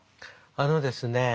あのですね